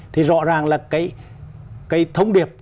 thì rõ ràng là cái thông điệp